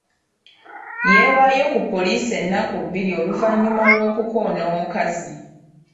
Yeewaayo ku poliisi ennaku bbiri oluvannyuma lw'okukoona omukazi.